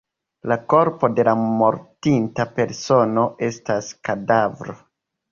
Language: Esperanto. La korpo de mortinta persono estas kadavro.